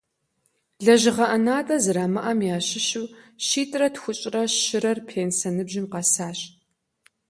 Лэжьыгъэ ӏэнатӏэ зэрамыӏэм ящыщу щитӏрэ тхущӏрэ щырэр пенсэ ныбжьым къэсащ.